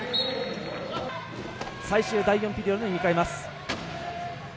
最終第４ピリオドを迎えます。